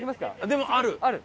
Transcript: でもある？